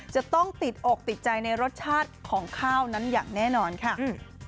จะต้องติดอกติดใจในรสชาติของข้าวนั้นอย่างแน่นอนค่ะ